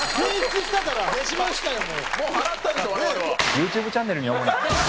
ＹｏｕＴｕｂｅチャンネルに主に。